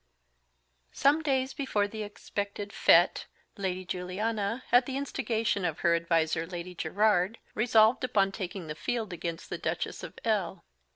SOME days before the expected fete Lady Juliana, at the instigation of her adviser, Lady Gerard, resolved upon taking the field against the Duchess of L